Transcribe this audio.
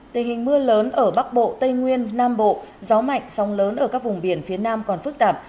tình hình mưa lớn ở bắc bộ tây nguyên nam bộ gió mạnh sóng lớn ở các vùng biển phía nam còn phức tạp